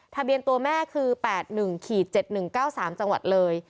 ทะเบียนตัวแม่คือ๘๑๗๑๙๓จังหวัดเลย